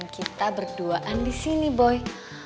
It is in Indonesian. kita berduaan disini boy